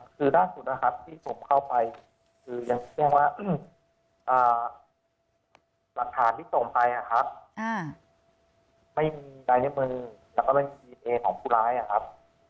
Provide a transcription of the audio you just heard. คือล่าสุดนะครับที่ผมเข้าไปคือยังแจ้งว่าหลักฐานที่ส่งไปนะครับไม่มีลายนิ้วมือแต่ก็ไม่มีดีเอนเอของผู้ร้ายนะครับ